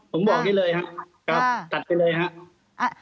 ผมบอกได้เลยครับตัดไปเลยครับ